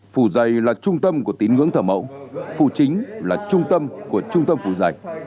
phủ dày là trung tâm của tín ngưỡng thở mẫu phủ chính là trung tâm của trung tâm phủ dạch